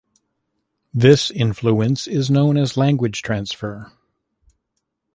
This influence is known as "language transfer".